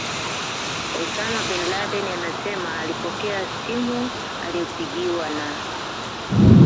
Osama Bin Laden anasema alipokea simu aliyopigiwa na